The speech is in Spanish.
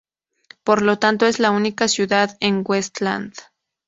Por lo tanto, es la única "ciudad" en Westland.